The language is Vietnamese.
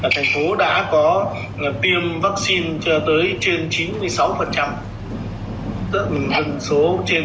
thành phố đã có tiêm vaccine trên chín mươi sáu tức dân số trên một mươi tám tuổi mỗi một và cũng đã tiêm được mỗi hai khoảng trên ba mươi